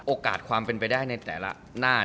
โอกาสความเป็นไปได้ในแต่ละหน้า